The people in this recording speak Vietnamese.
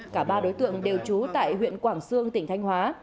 cả ba đối tượng đều trú tại huyện quảng sương tỉnh thanh hóa